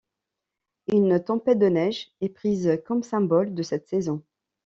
Une tempête de neige est prise comme symbole de cette saison.